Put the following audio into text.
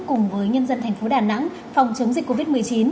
cùng với nhân dân thành phố đà nẵng phòng chống dịch covid một mươi chín